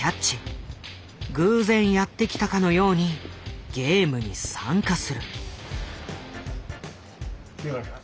偶然やって来たかのようにゲームに参加する。